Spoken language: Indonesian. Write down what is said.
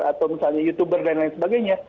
atau misalnya youtuber dan lain sebagainya